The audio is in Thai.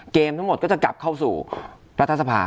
ทั้งหมดก็จะกลับเข้าสู่รัฐสภา